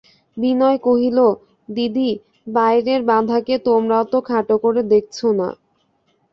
বিনয় কহিল, দিদি, বাইরের বাধাকে তোমরাও তো খাটো করে দেখছ না!